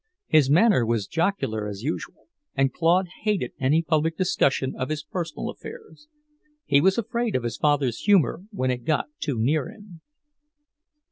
His manner was jocular, as usual, and Claude hated any public discussion of his personal affairs. He was afraid of his father's humour when it got too near him.